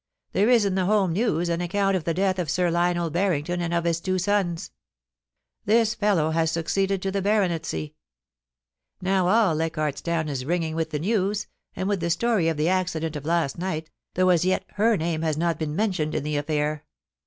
There is in the "Home News" an account of the death of Sir Lionel Barrington and of his two sons. This SINISTER OMENS. 365 fellow has succeeded to the baronetcy. Now all Leichaidt's Town is ringing with the news, and with the stoiy of the accident of last night, though as yet her name has not been mentioned in the affair.